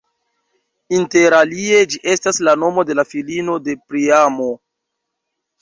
Interalie ĝi estas la nomo de la filino de Priamo.